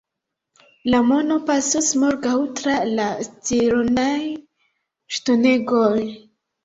La mono pasos morgaŭ tra la Scironaj ŝtonegoj.